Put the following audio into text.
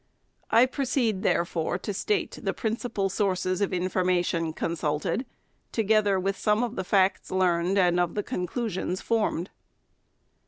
I proceed, therefore, to state the principal sources of information consulted, together with some of the facts learned and of the conclusions formed.